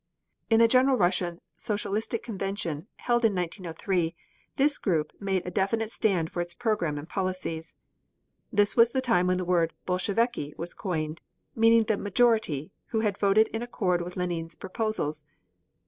In the General Russian Socialistic Convention, held in 1903, this group made a definite stand for its program and policies. This was the time when the word "Bolsheviki" was coined, meaning the "majority," who had voted in accord with Lenine's proposals.